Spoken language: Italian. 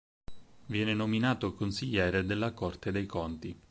Viene nominato consigliere della Corte dei Conti.